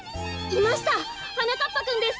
いましたはなかっぱくんです。